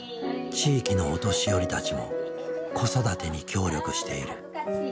地域のお年寄りたちも子育てに協力している。